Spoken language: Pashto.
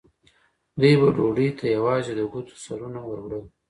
دوی به ډوډۍ ته یوازې د ګوتو سرونه وروړل.